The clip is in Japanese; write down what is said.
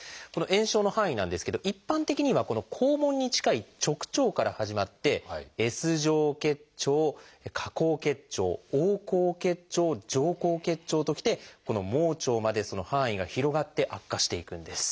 炎症の範囲なんですけど一般的にはこの肛門に近い直腸から始まってＳ状結腸下行結腸横行結腸上行結腸ときてこの盲腸までその範囲が広がって悪化していくんです。